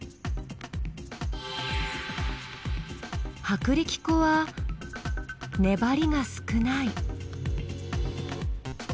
薄力粉はねばりが少ない。